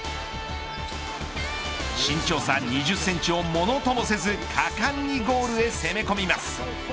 身長差に２０センチを物ともせず果敢にゴールへ攻め込みます。